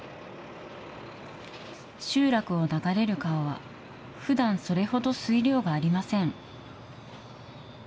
集落を流れる川は、ふだん、それほど水量がありません。